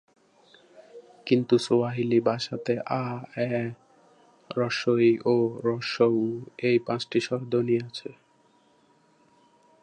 কিন্তু সোয়াহিলি ভাষাতে আ, এ, ই, ও, উ---এই পাঁচটি স্বরধ্বনি আছে।